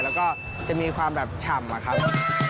แล้วก็จะมีความแบบฉ่ำอะครับ